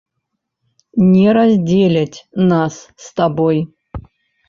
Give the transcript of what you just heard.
Не раздзеляць нас з табой!